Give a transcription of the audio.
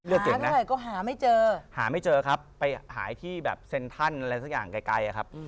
เมื่อไหร่ก็หาไม่เจอหาไม่เจอครับไปหายที่แบบเซ็นทรัลอะไรสักอย่างไกลครับ